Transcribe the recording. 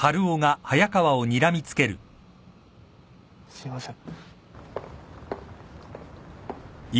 すいません。